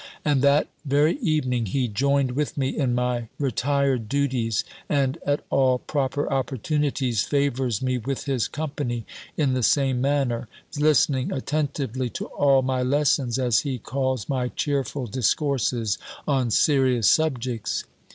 And that very evening he joined with me in my retired duties; and, at all proper opportunities, favours me with his company in the same manner; listening attentively to all my lessons, as he calls my cheerful discourses on serious subjects.